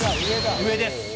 上です。